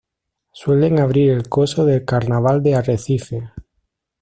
Suelen abrir el coso del carnaval de Arrecife.